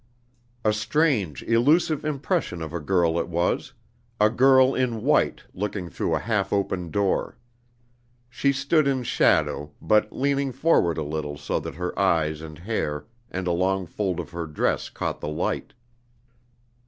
A strange, elusive impression of a girl it was; a girl in white looking through a half open door. She stood in shadow, but leaning forward a little so that her eyes and hair and a long fold of her dress caught the light.